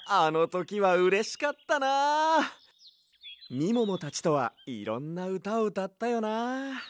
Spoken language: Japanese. みももたちとはいろんなうたをうたったよな。